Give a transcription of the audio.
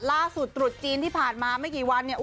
ล่าสุดตรุษจีนที่ผ่านมาไม่กี่วัน